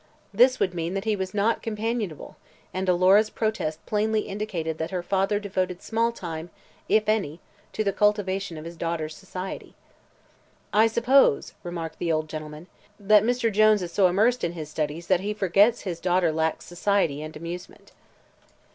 This would mean that he was not companionable and Alora's protest plainly indicated that her father devoted small time, if any, to the cultivation of his daughter's society. "I suppose," remarked the old gentleman, "that Mr. Jones is so immersed in his studies that he forgets his daughter lacks society am amusement."